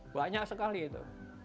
banyak sekali itu